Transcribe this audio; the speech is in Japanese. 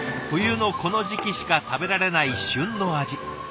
冬のこの時期しか食べられない旬の味。